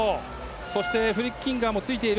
そしてフリッキンガーもついている。